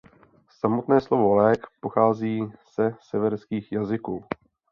Samotné slovo „lék“ pochází se severských jazyků.